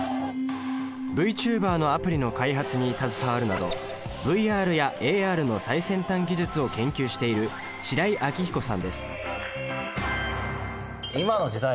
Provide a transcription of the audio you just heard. Ｖチューバーのアプリの開発に携わるなどＶＲやＡＲの最先端技術を研究している白井暁彦さんです。